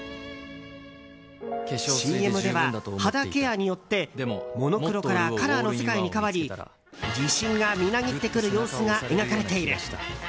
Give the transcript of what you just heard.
ＣＭでは肌ケアによってモノクロからカラーの世界に変わり自信がみなぎってくる様子が描かれている。